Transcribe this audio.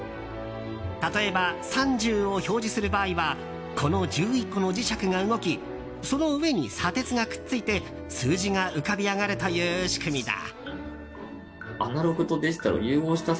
例えば、３０を表示する場合はこの１１個の磁石が動きその上に砂鉄がくっついて数字が浮かび上がるという仕組みだ。